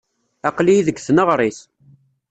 Aql-iyi deg tneɣrit.